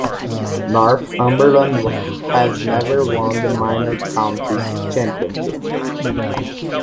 Northumberland has never won the Minor Counties Championship.